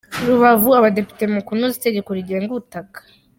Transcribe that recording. Rubavu Abadepite mu kunoza itegeko rigenga ubutaka